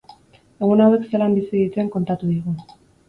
Egun hauek zelan bizi dituen kontatu digu.